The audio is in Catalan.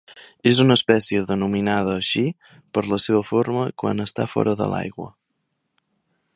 És una espècie denominada així per la seva forma quan està fora de l'aigua.